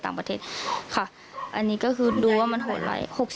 อันนี้ก็คือดูว่ามันโหดร้าย